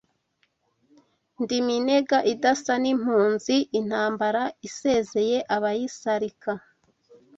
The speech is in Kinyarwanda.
Ndi Minega idasa n'impunzi, intambara isezeye abayisalika